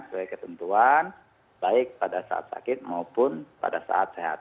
sesuai ketentuan baik pada saat sakit maupun pada saat sehat